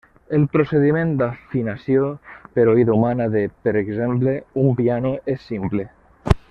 El procediment d'afinació per oïda humana de, per exemple, un piano és simple.